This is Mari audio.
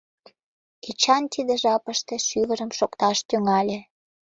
Эчан тиде жапыште шӱвырым шокташ тӱҥале.